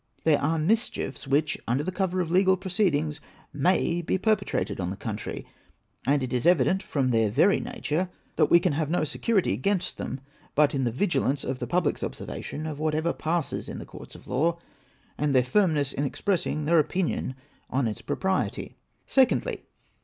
These are mischiefs which, under the cover of legal proceedings, tnay be perpetrated on the country ; and it is evident, from their very nature, that we can have no security against them but in the vigilance of the public's observation of whatever passes in the courts of law, and their firmness in expressing their opinion on its propriety. Secondly.